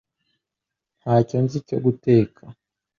Ntacyo nzi cyo guteka